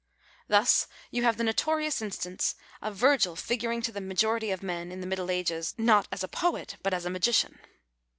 Thus you have the notorious instance of Virgil figuring to the majority of men in the middle ages not as a poet but as a magician.